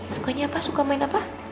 sukanya apa suka main apa